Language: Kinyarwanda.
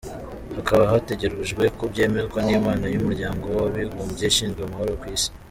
Hakaba hategerejwe ko byemezwa n’inama y’umuryango w’abibumbye ishinzwe amahoro kw’isi.